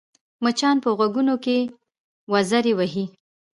مچان په غوږو کې وزر وهي